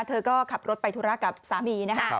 เธอก็ขับรถไปธุระกับสามีนะคะ